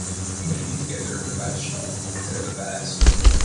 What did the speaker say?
Hey, These guys are professional. They are the best.